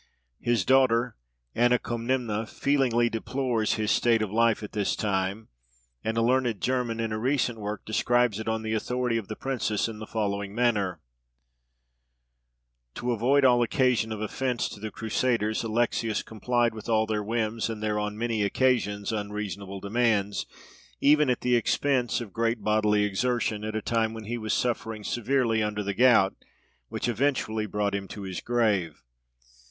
His daughter Anna Comnena feelingly deplores his state of life at this time, and a learned German, in a recent work, describes it, on the authority of the princess, in the following manner: "To avoid all occasion of offence to the Crusaders, Alexius complied with all their whims and their (on many occasions) unreasonable demands, even at the expense of great bodily exertion, at a time when he was suffering severely under the gout, which eventually brought him to his grave.